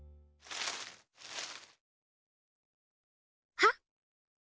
はっ。